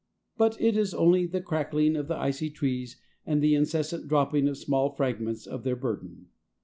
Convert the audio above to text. But it is only the crackling of the icy trees and the incessant dropping of small fragments of their burden.